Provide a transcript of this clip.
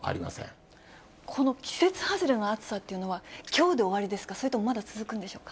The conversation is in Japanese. この季節外れの暑さというのは、きょうで終わりですか、それともまだ続くんでしょうか。